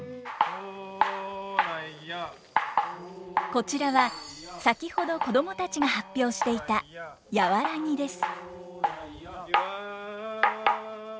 こちらは先ほど子供たちが発表していた「やわらぎ」です。